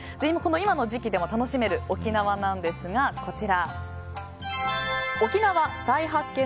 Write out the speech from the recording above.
今の時期でも楽しめる沖縄なんですがおきなわ彩発見